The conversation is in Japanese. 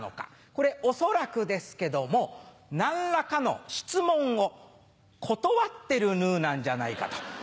これおそらくですけども何らかの質問を断ってるヌーなんじゃないかと。